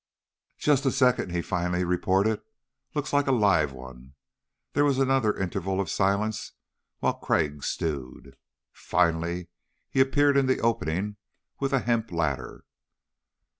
"Just a second," he finally reported. "Looks like a live one." There was another interval of silence while Crag stewed. Finally he appeared in the opening with a hemp ladder.